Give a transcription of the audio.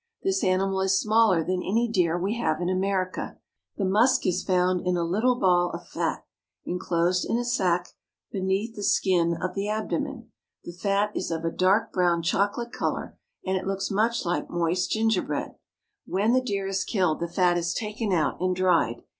This animal is smaller than any deer we have in America. The musk is found in a little ball of fat, inclosed in a sac beneath the skin of TIBET AND THE TIBETANS 309 the abdomen. The fat is of a dark brown chocolate color ; and it looks much like moist gingerbread. When the deer is killed, the fat is taken out and dried.